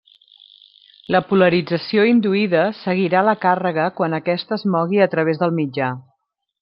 La polarització induïda seguirà la càrrega quan aquesta es mogui a través del mitjà.